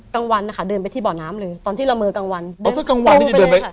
กลางวันนะคะเดินไปที่บ่อน้ำเลยตอนที่ละเมอกลางวันเดินก็กลางวันไปเลยค่ะ